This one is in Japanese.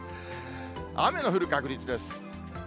雨の降る確率です。